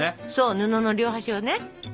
布の両端をね